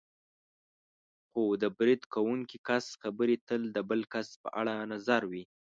خو د برید کوونکي کس خبرې تل د بل کس په اړه نظر وي.